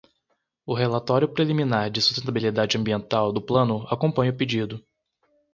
O relatório preliminar de sustentabilidade ambiental do plano acompanha o pedido.